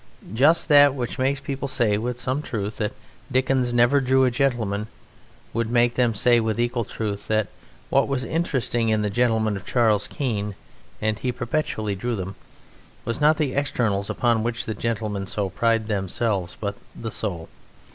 Just that which makes people say (with some truth) that Dickens never drew a gentleman would make them say with equal truth that what was interesting in the gentlemen of Charles Keene (and he perpetually drew them) was not the externals upon which gentlemen so pride themselves, but the soul.